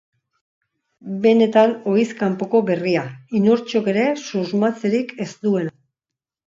Benetan ohiz kanpoko berria, inortxok ere susmatzerik ez duena.